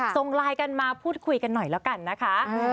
ส่งไลน์กันมาพูดคุยกันหน่อยแล้วกันนะคะ